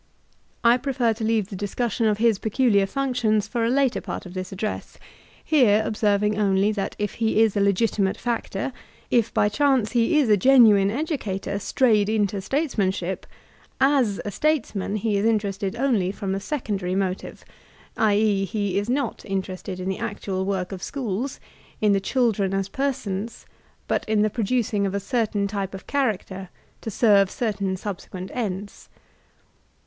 I prefer to leave the discussion of his peculiar func tions for a later part of this address, here observing only that if he is a Intimate factor, if by chance he is a genuine educator strayed into statesmanship, as a states man he is interested only from a secondary motive; i. e., he is not interested in the actual work of schools, in the children as persons, but in the producing of a certain type of character to serve certain subsequent ends.